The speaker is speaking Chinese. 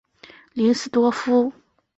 林斯多夫。